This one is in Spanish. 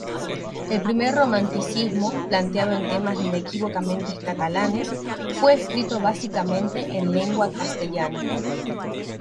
El primer romanticismo, planteado en temas inequívocamente catalanes, fue escrito básicamente en lengua castellana.